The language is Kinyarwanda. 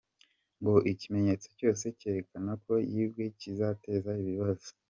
Ngo ikimenyetso cyose kerekana ko yibwe kizateza ibibazo.